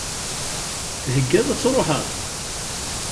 Theggaḍ ad tṛuḥeḍ?